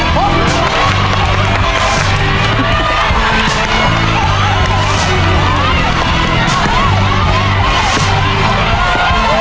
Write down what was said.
ก็เหรอดีนะครับ